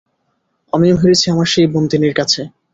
আমিও হেরেছি আমার সেই বন্দিনীর কাছে।